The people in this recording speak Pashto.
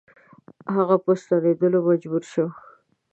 هغه په ستنېدلو مجبور شو.